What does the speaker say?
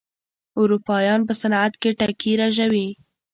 اروپايان په صنعت کې ټکي رژوي.